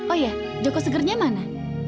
oh ya joko segernya mana